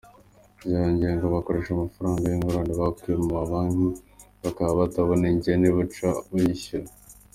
Vyongeye, ngo bakoresha amafaranga y’ingurane bakuye mu mabanki bakaba batabona ingene buca bayishura.